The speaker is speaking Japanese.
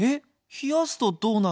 冷やすとどうなるの？